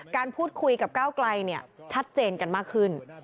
การพูดคุยกับก้าวไกลชัดเจนกันมากขึ้น